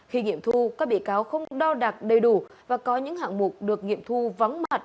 khi nghiệm thu các bị cáo không đo đạc đầy đủ và có những hạng mục được nghiệm thu vắng mặt